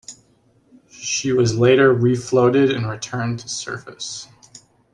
She was later refloated and returned to service.